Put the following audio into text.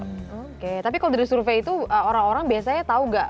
oke tapi kalau dari survei itu orang orang biasanya tahu gak